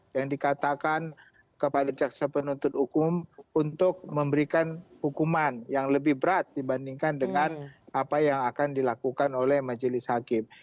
yang dikatakan kepada jaksa penuntut umum untuk memberikan hukuman yang lebih berat dibandingkan dengan apa yang akan dilakukan oleh majelis hakim